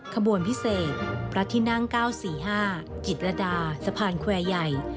ขบวนพิเศษพระที่นั่ง๙๔๕จิตรดาสะพานแควร์ใหญ่